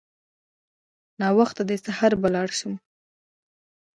ناوخته دی سهار به لاړ شو.